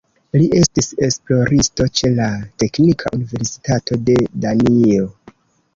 Li estas esploristo ĉe la Teknika Universitato de Danio.